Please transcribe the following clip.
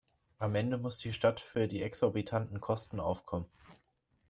Am Ende muss die Stadt für die exorbitanten Kosten aufkommen.